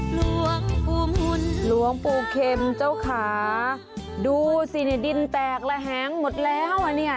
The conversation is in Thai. หลวงภูมิหลวงปู่เข็มเจ้าขาดูสินี่ดินแตกระแหงหมดแล้วอ่ะเนี่ย